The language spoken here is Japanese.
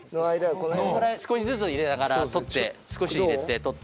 少しずつ入れながら取って少し入れて取って。